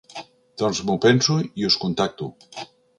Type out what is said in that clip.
Doncs m'ho penso i us contacto.